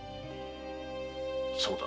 そうだ。